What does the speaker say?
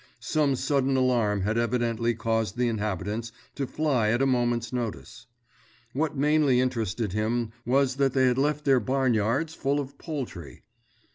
Some sudden alarm had evidently caused the inhabitants to fly at a moment's notice. What mainly interested him was that they had left their barnyards full of poultry.